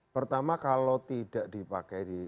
pertama kalau tidak dipakai